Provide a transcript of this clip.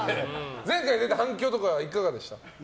前回出た反響とかいかがでした？